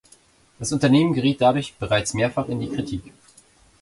Das Unternehmen geriet dadurch bereits mehrfach in die Kritik.